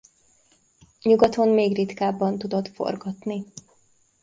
Nyugaton még ritkábban tudott forgatni.